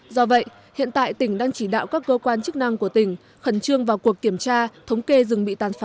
do vậy hiện tại tỉnh đang chỉ đạo các cơ quan chức năng của tỉnh khẩn trương vào cuộc kiểm tra thống kê rừng bị tàn phá